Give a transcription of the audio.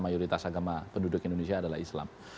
mayoritas agama penduduk indonesia adalah islam